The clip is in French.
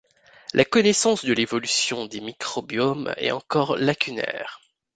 La connaissance de l'évolution des microbiomes est encore lacunaire.